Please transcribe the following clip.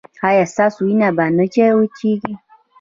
ایا ستاسو وینه به نه وچیږي؟